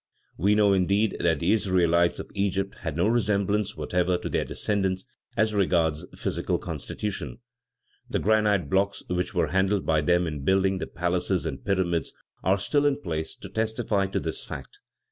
We know, indeed, that the Israelites of Egypt had no resemblance whatever to their descendants as regards physical constitution. The granite blocks which were handled by them in building the palaces and pyramids are still in place to testify to this fact.